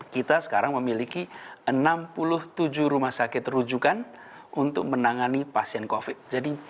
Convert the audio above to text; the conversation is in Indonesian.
kita sekarang memiliki enam puluh tujuh rumah sakit rujukan untuk menangani pasien covid